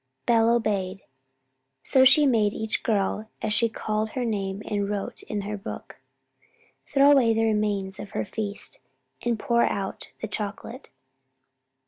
Belle obeyed. So she made each girl, as she called her name and wrote it in her book, throw away the remains of her feast, and pour out the chocolate.